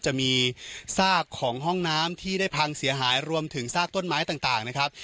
จะมีซากของห้องน้ำที่ได้พังเสียหายรวมถึงซากต้นไม้ต่างนะครับ